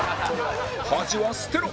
恥は捨てろ！